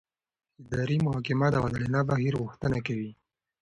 اداري محاکمه د عادلانه بهیر غوښتنه کوي.